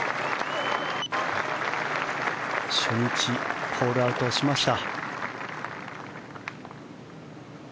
初日、ホールアウトをしました。